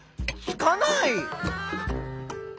つかない。